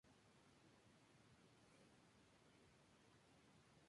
Las estaciones sirven como puntos de escape para emergencias.